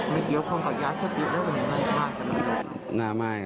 ไม่เกี่ยวของข้อยาเสพติดแล้วเป็นไงพากับมัน